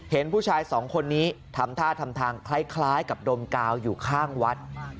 เห็นผู้ชายสองคนนี้ทำท่าทำทางคล้ายกับดมกาวอยู่ข้างวัด